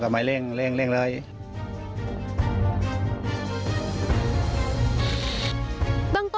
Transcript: โกรธจากเรื่องอื่นต้องมารับเค้าแทนเพียงแค่อารมณ์โกรธจากเรื่องอื่น